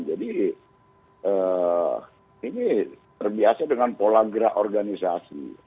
ini terbiasa dengan pola gerak organisasi